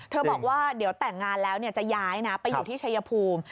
บอกว่าเดี๋ยวแต่งงานแล้วจะย้ายนะไปอยู่ที่ชายภูมิ